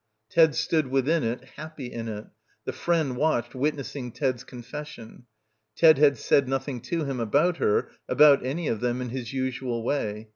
Ted stood within it, happy in it. The friend watched, witnessing Ted's confession. Ted had said nothing to him about her, about any of them, in his usual way.